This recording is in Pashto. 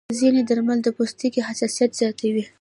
ځینې درمل د پوستکي حساسیت زیاتوي.